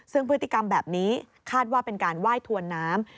ซึ่งพฤติกรรมแบบนี้คาดว่าเป็นการไหว้ถวนน้ำ